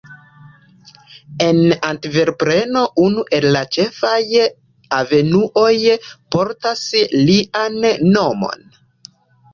En Antverpeno unu el la ĉefaj avenuoj portas lian nomon.